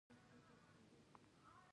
هیلې او خوبونه انسان هڅوي.